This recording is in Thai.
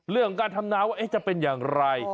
เรื่องของการทำนาว่าจะเป็นอย่างไร